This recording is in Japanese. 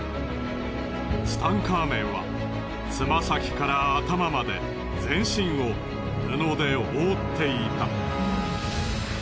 ツタンカーメンはつま先から頭まで全身を布で覆っていた。